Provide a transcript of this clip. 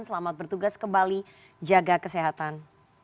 selamat bertugas kembali jaga kesehatan